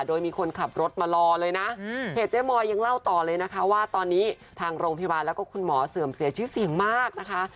โดยมีคนขับรถมารอเลยนะเพจเจ๊มอยยังเล่าต่อเลยนะคะว่าตอนนี้ทางโรงพยาบาลแล้วก็คุณหมอเสื่อมเสียชื่อเสียงมากนะคะ